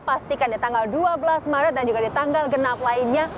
pastikan di tanggal dua belas maret dan juga di tanggal genap lainnya